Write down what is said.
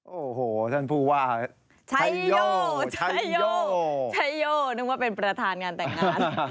โอ้โหท่านผู้ว่าชัยโยชัยโยชัยโย่นึกว่าเป็นประธานงานแต่งงาน